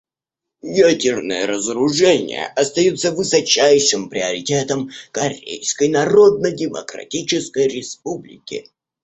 Ядерное разоружение остается высочайшим приоритетом Корейской Народно-Демо-кратической Республики.